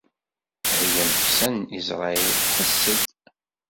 Ay ameksa n Isṛayil, ḥess-d!